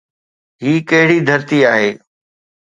هي ڪهڙي ڌرتي آهي؟